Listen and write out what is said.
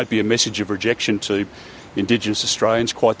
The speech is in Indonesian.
ini tidak akan menjadi pesan rejeki kepada orang orang australia yang indah